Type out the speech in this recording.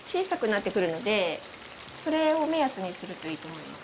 それを目安にするといいと思います。